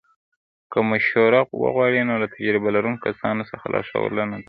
که مشوره وغواړې، نو له تجربه لرونکو کسانو څخه لارښوونه ترلاسه کړه.